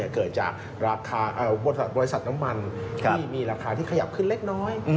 เกิดจากราคาบริษัทน้ำมันที่มีราคาที่ขยับขึ้นเล็กน้อย